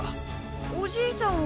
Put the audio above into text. おじいさんは。